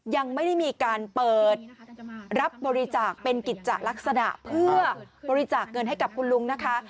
ยังไม่ได้มีการเปิดรับบริจาคเป็นกิจจะลักษณะเพื่อบริจาคเงินให้กับคุณลุงนะคะ